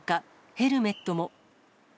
ヘルメットも。